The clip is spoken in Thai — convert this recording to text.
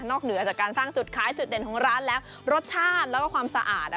เหนือจากการสร้างจุดขายจุดเด่นของร้านแล้วรสชาติแล้วก็ความสะอาด